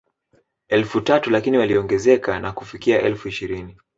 Elfu tatu lakini walioongezeka na kufikia elfu ishirini